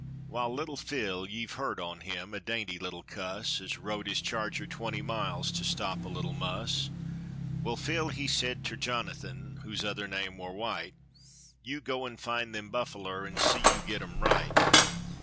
Wall, little Phil, ye've heerd on him, a dainty little cuss As rode his charger twenty miles to stop a little muss; Well, Phil he said ter Johnathin, whose other name war White, "You go an' find them buffaler, an' see you get 'em right."